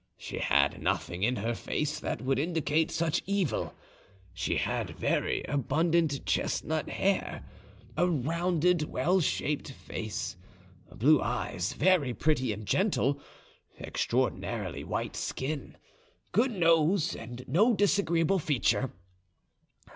She had nothing in her face that would indicate such evil. She had very abundant chestnut hair, a rounded, well shaped face, blue eyes very pretty and gentle, extraordinarily white skin, good nose, and no disagreeable feature.